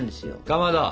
かまど！